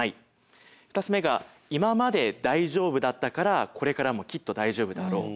２つ目が「今まで大丈夫だったからこれからもきっと大丈夫だろう」。